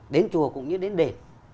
đến chùa cũng như đến đệ